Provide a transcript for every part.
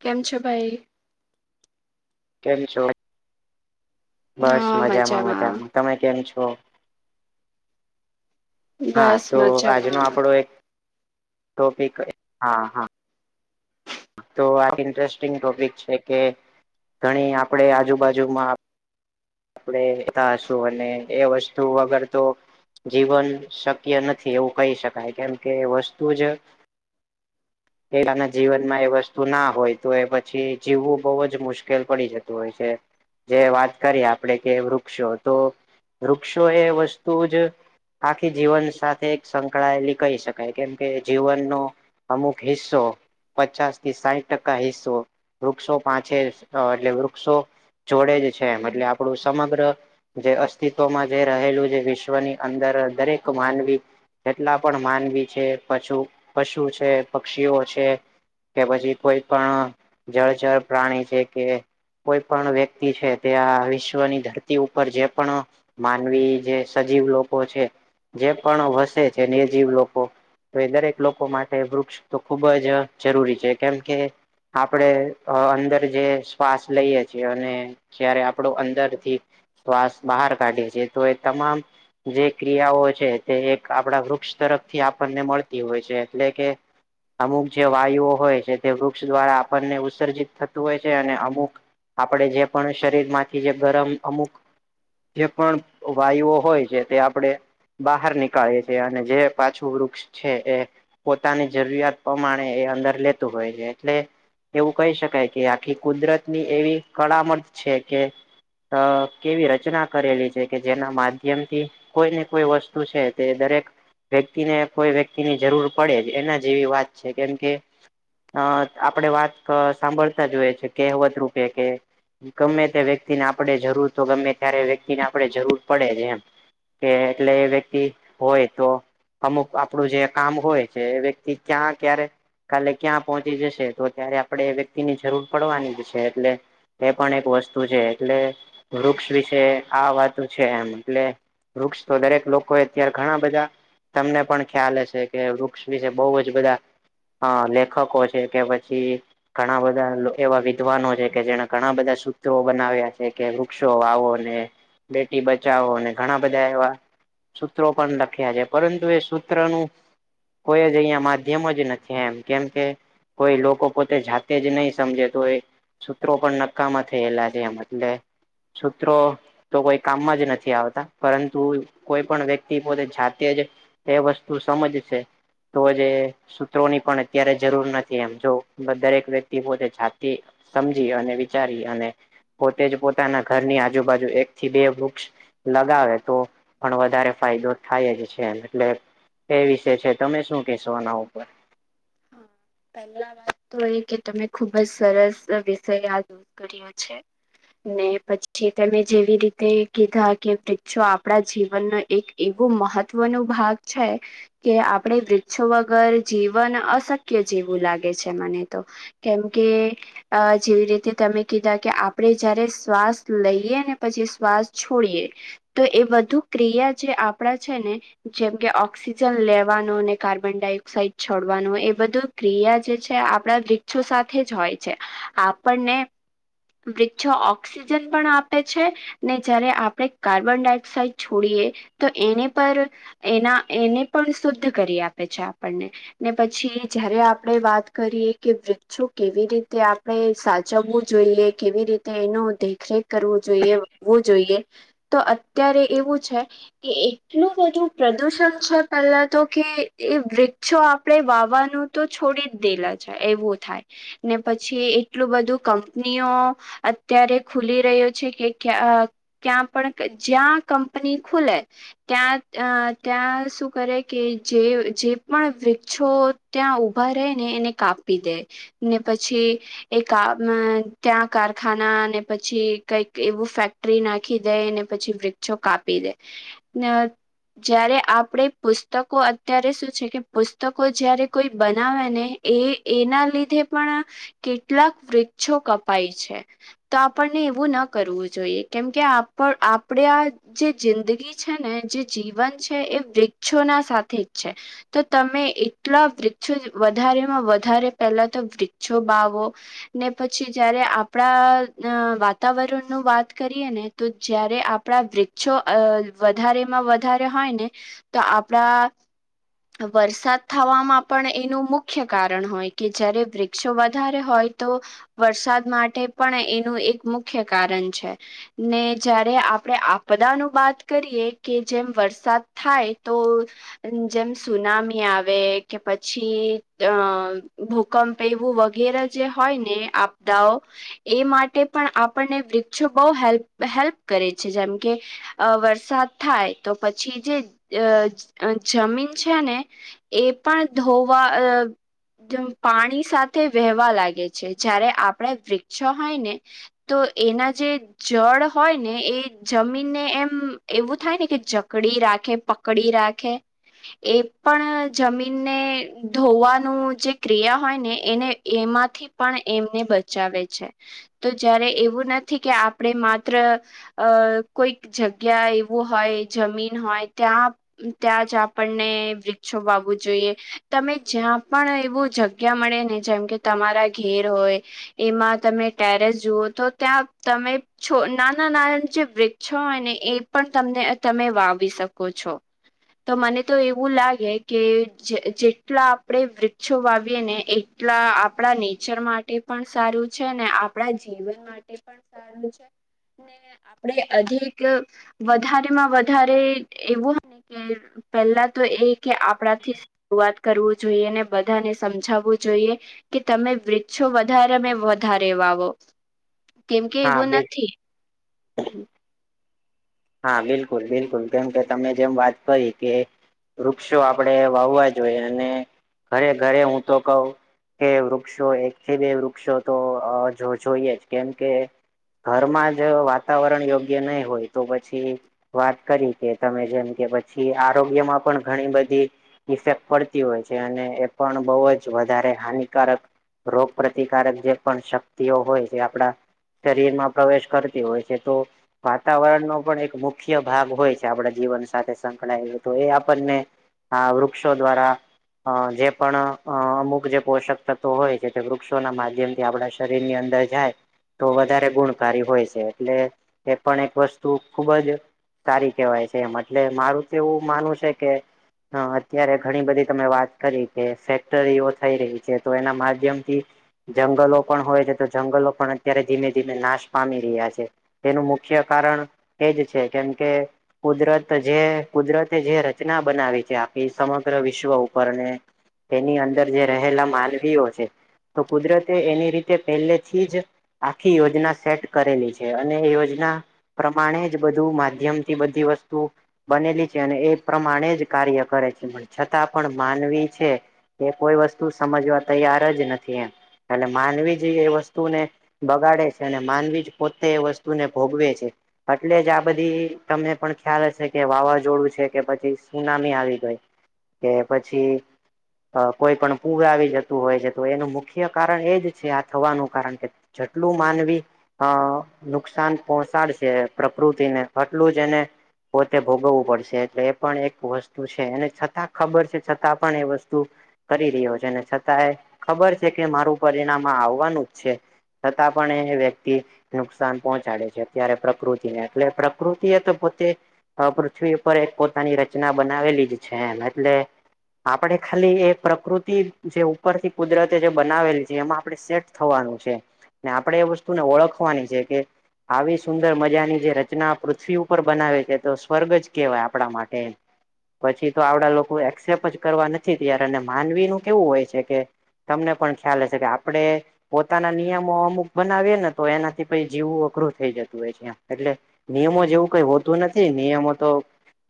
કેમ છો ભાઈ? કેમ છો? બસ મજામાં મજામાં તમે કેમ છો? હા બસ તો આજનો મજામાં. આપણો એક ટોપિક હા હા તો આ ઇન્ટરેસ્ટિંગ ટોપિક છે કે ઘણી આપડ આજુબાજુમાં આપણે તશું અને એ વસ્તુ વગર તો જીવન શક્ય નથી એવું કહી શકાય કેમ કે વસ્તુ જ એના જીવનમાં એ વસ્તુ ના હોય તો એ પછી જીવવું બહુ જ મુશ્કેલ પડી જતું હોય છે જે વાત કરીએ આપણેે કે વૃક્ષો તો વૃક્ષો એ વસ્તુ જ આખી જીવન સાથે એક સંકળાયેલી કહી શકાય કેમકે જીવનનો હશો પચાસ થી સાહીઠ ટકા હિસ્સો વૃક્ષો પાંચ એટલે વૃક્ષો જોડે જ છે એમ એટલે આપડું સમગ્ર જે અસ્તિત્વમાં જે રહેલું છે વિશ્વની અંદર દરેક માનવી જેટલા પણ માનવી છે પુ પશુ છે પક્ષીઓ છે કે પછી કોઈ પણ જળ જર પ્રાણી છે કે કોઈ પણ વ્યક્તિ છે તે આ વિશ્વની ધરતી ઉપર જે પણ માનવી જે સજીવ લોકો છે જે પણ વસે છે નિર્જીવ લોકો તો એ દરેક લોકો માટે વૃક્ષ તો ખુબ જ જરૂરી છે કેમ કે આપડે અંદર જે શ્વાસ લઈએ છીએ અને જ્યારે આપણો અંદરથી શ્વાસ બહાર કાઢે છે તો એ તમામ જે ક્રિયાઓ છે તે એક આપણા વૃક્ષ તરફથી આપણને મળતી હોય છે એટલે કે અમુક જે વાયુઓ હોય છે તે વૃક્ષ દ્વારા આપણને ઉત્સર્જિત થતું હોય છે અને અમુક આપડે જે પણ શરીર માંથી જે ગરમ અમુક જે પણ વાયુઓ હોય છે તે આપડે બહાર નીકળે છે અને જે પાછું વૃક્ષ છે એ પોતાની જરૂરિયાત પ્રમાણે એ અંદર લેતું હોય છે એટલે એવું કહી શકાય કે આખી કુદરતની એવી કડામત છે કે અ કેવી રચના કરેલી છે કે જેના માધ્યમ થી કોઈ ને કોઈ વસ્તુ છે તે દરેક વ્યક્તિને કોઈ વ્યક્તિની જરૂર પડે જ એના જેવી વાત છે કેમ કે અ આપણેે વાત સાંભળતા જોઈએ છે કહેવત રૂપે કે ગમે તે વ્યક્તિને આપણે જરૂર તો ગમે ત્યારે વ્યક્તિને આપણેે જરૂર પડે એમ કે એટલે એ વ્યક્તિ હોય તો અમુક આપણું જે કામ હોય છે વ્યક્તિ ક્યાં ક્યારે કાલે ક્યાં પહોંચી જશે તો ત્યારે આપણેે એ વ્યક્તિ ની જરૂર પડવાની જ છે એટલે એ પણ એક વસ્તુ છે એટલે વૃક્ષ વિશે આ વાત છે એમ એટલે વૃક્ષ તો દરેક લોકો અત્યારે ઘણા બધા તમને પણ ખ્યાલ હશે કે વૃક્ષ વિશે બહુ જ બધા હા લેખકો છે કે પછી ઘણા બધા એવા વિદ્વાનો છે કે જેને ઘણા બધા સૂત્રો બનાવ્યા છે કે પક્ષો વાવોને બેટી બચાવોને ઘણા બધા એવા સૂત્રો પણ લખ્યા છે પરંતુ એ સૂત્ર નું કોઈ જ અહિયાં માધ્યમ જ. નથી એમ કેમ કે કોઈ લોકો પોતે જાતે જ નહી સમજે તો એ. સૂત્રો પણ નક્કામાં થયેલા છે એમ એટલે સૂત્રો તો કોઈ કામમાં જ નથી આવતા પરંતુ કોઈ પણ વ્યક્તિ પોતે જાતે જ એ વસ્તુ સમજ છે તો જે સૂત્રો ની પણ અત્યારે જરૂર નથી એમ જો દરેક વ્યક્તિ પોતે જાતિ સમજી અને વિચારી અને પોતે જ પોતાના ઘરની આજુબાજુ એક થી બે વૃક્ષ લગાવે તો પણ વધારે ફાયદો થાય જ છે એમ એટલે એ વિશે છે તમે શું કેશોના ઉપર પહેલા વાત તો એ કે તમે ખુબ જ સરસ વિષય યાદો હ છે ને પછી તમે જેવી રીતે કીધા કેક્ષો આપણા જીવનનો એક એવું મહત્વ ન ભાગ છે કે આપડે વૃક્ષો વગર જીવન શક્ય જેવું લાગે છે મને તો કેમકે. અ જેવી રીતે તમે કીધા કે આપણે જયારે શ્વાસ લઈએ ને પછી શ્વાસ છોડીએ. તો એ વધુ ક્રિયા જે આપણા છે ને. જેમ કે ઓક્સિજન લેવાનું અને કાર્બન ડાયોક્સાઇડ છોડવાનું એ. બધું ક્રિયા જે છે આપણા વૃક્ષો સાથે જ હોય છે આપણને. વૃક્ષો ઓક્સિજન પણ આપે છે. ને જયારે આપણે કાર્બન ડાયોક્સાઇડ છોડીએ તો એની પર. એના એને પણ શુદ્ધ કરી આપે છે આપણને ને પછી. જયારે આપણે વાત કરીએ કે વૃક્ષો કેવી રીતે આપણે સાચવવું જોઈએ કેવી રીતે. તેનું દેખરેખ કરવું જોઈએવું જોઈએ તો અત્યારે એવું છે. કે એટલું બધું પ્રદુષણ છે પહેલા તો કે એ વૃક્ષો આપણેે વાવાનું. તો છોડી જ દેલા છે એવું થાય ને પછી એટલું બધું કંપનીઓ. અત્યારે ખુલી રહ્યો છે કે ક્યા. ક્યાં પણ જ્યાં કંપની ખુલે. ત્યાં અ ત્યાં શું કરે કે જે જે પણ વૃક્ષો. ત્યાં ઉઊભા રહી ને એને કાપી દે ને પછી. એક ત્યાં કારખાના ને પછી કઈક એવું ફેક. રી નાખી દે અનેને પછી વૃક્ષો કાપી દે. અ જયારે આપણે પુસ્તકો અત્યારે શું છે કે પુસ્તકો જયારે. કોઈ બનાવે ને એ એના લીધે પણ. કેટલાક વૃક્ષો કપાય છે. તો આપણને એવું ના કરવું જોઈએ કેમકે આપ આપણેે આ. જે જિંદગી છે ને જે જીવન છે એ વૃક્ષોના સાથે જ છે. તો તમે એટલા વૃક્ષો વધારેમાં વધારે પેલા તો વૃક્ષો બાવો. ને પછી જયારે આપણા વાતાવરણ નું વાત કરીએ ને. તો જયારે આપણા વૃક્ષો વધારેમાં વધારે હોય ને. તો આપડા. વરસાદ થવામાં પણ એનું મુખ્ય કારણ હોય કે જારે વૃક્ષો વધારે હોય તો. વરસાદ માટે પણ એનું એક મુખ્ય કારણ છે. ને જયારે આપડે આપદા ન વાત કરીએ કે જેમ વરસાદ. થાય તો. જેમ સુનામી આવે કે પછી અ ભૂકંપ. પેવું વગેરે જે હોય ને આપદાઓ. એ માટે પણ આપણને વૃક્ષો બહ હેલ્પ હેલ્પ કરે છે જેમ કે. અ વરસાદ થાય તો પછી જે જમીન. છે ને એ પણ ધોવા. મ પાણી સાથે વહેહવા લાગે છે જયારે આપણે વૃક્ષો હોય ને. તો, એના જે જળ હોય ને એ, જમીન ને એમ એવું થાય ને કે જકડી રાખે પ કડી રાખે. એ પણ જમીનને ધોવાનું જે ક્રિયા હોય ને એને એમાંથી. પણ એમને બચાવે છે તો જયારે એવું નથી કે આપણે માત્ર. અ કોઈક જગ્યા એવું હોય જમીન હોય ત્યાં ત્યાં જ. આપણને વૃક્ષો વાવું જોઈએ તમે જ્યાં પણ એવું જગ્યા મળે ને જેમ કે. તમારા ઘેર હોય. એમાં તમે ટેરેસ જુઓ તો ત્યાં તમે નાના નાના જે. છ ને એ પણ તને તમે વાવી શકો છો તો મને. તો એવું લાગે કે જેટલા આપણેે વૃક્ષો વાવીએે ને. એટલા આપણા નેચર માટે પણ સારું છે ને આપણા જીવન માટે. પણ સારું છે. ને આપડે અધિક વધારેમાં વધારે એવું ને કે પહેલા તો એ કે, આપણાથી શરૂવાત કરવું જોઈએ ને બધાને સમજાવવું જોઈએ. કે તમે વૃક્ષો વધારેને વધારે વાવો. કેમ કે, હા એવું બે નથી. હા, બિલકુલ, બિલકુલ કેમ કે તમે જેમ વાત કરી કે વૃક્ષો આપણેે વાવવા જોઈએ ને, ઘરે ઘરે હું તો કઉ કે વૃક્ષો, એક થી બે વૃક્ષો તો અ જો જોઈએ જ કેમકે ઘરમાં જ વાતાવરણ યોગ્ય નઈ હોય. તો પછી વાત કરી કે તમે જેમ કે પછી, આરોગ્યમાં પણ ઘણી બધી ઇફેક્ટ પડતી હોય છે, અને એ પણ ઉ જ વધારે હાનિકારક રોગ પ્રતિકારક જે પણ શક્તિઓ હોય, જે આપડા શરીરમાં પ્રવેશ કરતી હોય છે, તો વાતાવરણ નો પણ એક મુખ્ય ભાગ હોય છે, આપણા જીવન સાથે સંકળાયેલું તો એ આપણને હા, વૃક્ષો દ્વારા અ જે પણ અ અમુક જે પોષક તત્વો હોય છે, તે વૃક્ષોના માધ્યમથી આપડા શ શરીર ની અંદર જાય તો વધારે ગુણકારી હોય છે, એટલે એ પણ એક વસ તું ખુબ જ સારી કહેવાય છે, એમ એટલે મારું તો એવું માનવું છે કે, હા, અત્યારે ઘણી બધી તમે વાત કરી કે ફેક્ટરીઓ થઈ રહી છે, તો એના માધ્યમથી જંગલો પણ હોય છે, તો જંગલો પણ અત્યારે ધીમે ધીમે નાશ પામી રહ્યા છે. તેનું મુખ્ય કારણ એજ છે, કેમ કે, કુદરત જે કુદરતે જે રચના બનાવી છે, આપણી સમગ્ર વિશ્વ ઉપરને તેની અંદર જે રહેલા માનવીઓ છે, તો કુદરતે એની રીતે પેલેથી જ આખી યોજના સેટ કરેલી છે, અને યોજના પ્રમાણે જ બધું માધ્યમથી બધી વસ્તુ બનેલી છે, અને એ પ્રમાણે જ કાર્ય કરે છે, પણ છતાં પણ માનવી છે. એ કોઈ વસ્તુ સમજવા તૈયાર જ નથી એમ, એટલે માનવી જો એ વસ્તુને બગાડે છે, અને માનવી જ પોતે એ વસ્તુને ભોગવે છે. એટલે જ આ બધી, તમને પણ ખ્યાલ હશે કે વાવાઝોડું છે કે પછી સુનામી આવી ગઈ કે પછી, કોઈ પણ પૂર આવી જતું હોય છે, તો એનું મુખ્ય કારણ એજ જ છે, આ થવાનું કારણ કે જેટલું માનવી અ નુકસાન પોહોંચાડશે. કે, પ્રકૃતિ ને આટલું જ એને પોતે ભોગવવું પડશે એટલે એ પણ એક વસ્તુ છે, એને છતાં ખબર છે, છતાં પણ એ વસ્તુ કરી રહ્યો છે, ને છતાંય ખબર છે કે, મારું પરિણામ આવવાનું જ છે. છતાં પણ એ વ્યક્તિ નુકસાન પહોંચાડે છે, અત્યારે પ્રકૃતિને એટલે પ્રકૃતિ એ તો પોતે પૃથ્વી ઉપર એક પોતાની રચના બનાવેલી જ છે એમ એટલે આપડે ખાલી એ પ્રકૃતિ જે ઉપરથી કુદરતે જે બનાવેલી છે એમાં આપણે સે થવાનું છે ને આપણેે એ વસ્તુને ઓળખવાની છે કે આવી સુંદર મજાની જે રચના પૃથ્વી ઉપર બનાવે છે તો, સ્વર્ગ જ કેહેવાય આપણા માટે. પછી તો આવડા લોકો એક્સેપ જ કરવા નથી તૈયાર અને માનવીનું કેવું હોય છે કે તમને પણ ખ્યાલ હશે કે આપડે પોતાના નિયમો અમુક બનાવે ને તો એનાથી પહી જીવું અઘરું થઈ જત એટલે નિયમો જેવું કઈ હોતું નથી, નિયમો તો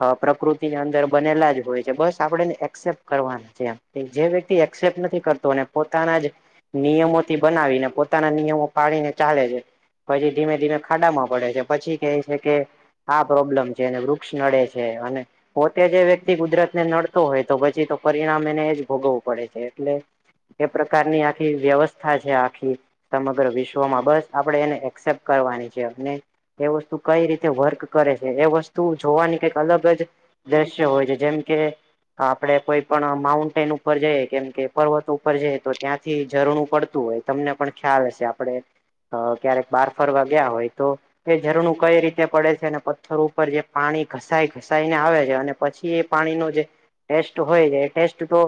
અ પ્રકૃતિની અંદર બનેલા જ હોય છે, બસ આપડે એને એક્સેપ્ટ કરવાના છે એમ. જે વ્યક્તિ એક્સેપ્ટ નથી કરતો, અને પોતાના જ નિયમોથી બનાવીને પોતાના નિયમો પાળીને ચાલે છે, પછી ધીમે- ધીમે ખાડામાં પડે છે, પછી કે છે કે, આ પ્રોબ્લેમ છે, વૃક્ષ નડે છે, અને પોતે જે વ્યક્તિ કુદરત ને નડતો હોય, તો પછી તો પરિણામ એને એ જ ભોગવવું પડે છે, એટલે એ પ્રકારની આખી વ્યવસ્થા છે, આખી સમગ્ર વિશ્વમાં બસ આપડે એને એક્સેપ્ કરવાની એ વસ્તુ કઈ રીતે વર્ક કરે છે એ વસ્તુ જોવાની કઈક અલગ જ દ્રશ્ય હોય છે જેમ કે આપડે કોઈ પણ માઉન્ટેન ઉપર જઈએ કેમ કે પર્વત ઉપર જઈએ તો ત્યાંથી ઝરણું પડતું હોય તમને પણ ખ્યાલ હશે આપડે અ ક્યારેક બાર ફરવા ગયા હોય તો એ ઝરણું કઈ રીતે પડે છે અને પથ્થર ઉપર જે પાણી ઘસાય ઘસાઈને આવે છે અને પછી એ પાણીનો જે ટેસ્ટ હોય એ ટેસ્ટ તો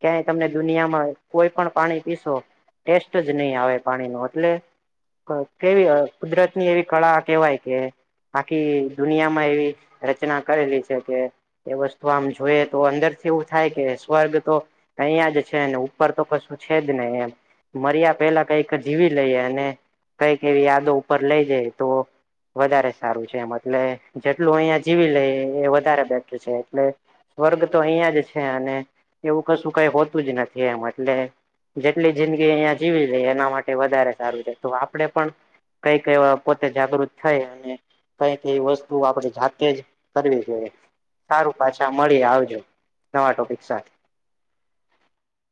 ક્યાંય તમને દુનિયામાં કોઈ પણ પાણી પીશો ટેસ્ટ જ નહી આવે પાણી નો એટલે કેવી અ કુદરત ની એવી કળા કેહેવાય કે આખી દુનિયામાં એવી રચના કરેલી છે કે એ વસ્તુ આમ જોઈએ તો અંદરથી એવું થાય કે સ્વર્ગ તો અહીંયા જ છે ને ઉપર તો કશું છે જ નઈ એમ મર્યા પેલા કઈક જીવી લઈએ અને કઈક એવી યાદો ઉપર લઈ જઈ તો વધારે સારું છે એમ એટલે જેટલું અહિયાં જીવી લે એ વધારે બેટર છે એટલે વર્ગ તો અહિયાં જ છે અને એવું કશું કઈ હોતું જ નથી એમ એટલે જેટલી જિંદગી અહિયાં જીવી લઈએ એના માટે વધારે સારું છે તો આપડે પણ કઈક એવા પોતે જાગૃત થાય અને કઈકે એ વસ્તુ આપડે જાતે જ કરવી જોઈએ. સારું પાછા મળી આવજો નવા ટોપિક સાથ